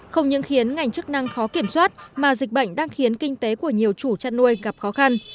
không những khiến ngành chức năng khó kiểm soát mà dịch bệnh đang khiến kinh tế của nhiều chủ chăn nuôi gặp khó khăn